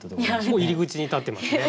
もう入り口に立ってますね。